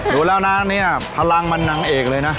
รู้แล้วนะพลังมันนางเอกเลยนะ